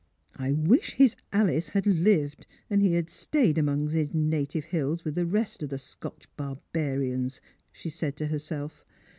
" I wish his Alice had lived, and he stayed among his native hills with the rest of the Scotch barbarians," she said to herself.